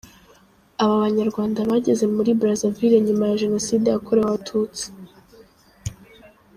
Aba Banyarwanda bageze muri Brazaville nyuma ya Jenoside yakorewe Abatutsi.